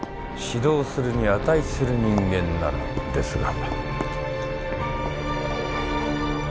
指導するに値する人間ならですが。